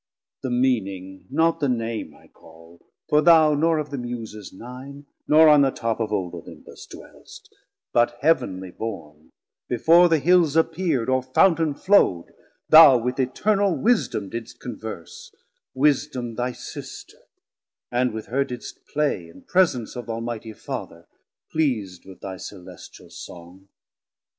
The meaning, not the Name I call: for thou Nor of the Muses nine, nor on the top Of old Olympus dwell'st, but Heav'nlie borne, Before the Hills appeerd, or Fountain flow'd, Thou with Eternal wisdom didst converse, Wisdom thy Sister, and with her didst play 10 In presence of th' Almightie Father, pleas'd With thy Celestial Song.